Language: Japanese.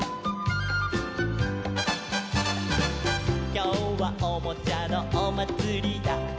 「きょうはおもちゃのおまつりだ」